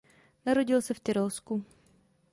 Narodil se v Tyrolsku.